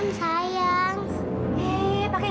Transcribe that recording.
ini karena tegi